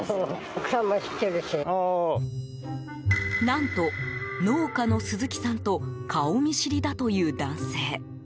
何と、農家の鈴木さんと顔見知りだという男性。